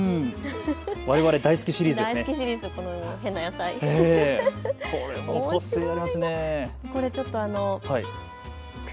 われわれ、大好きシリーズですね。